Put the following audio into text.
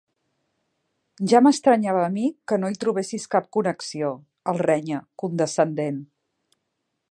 Ja m'estranyava a mi que no hi trobessis cap connexió —el renya, condescendent.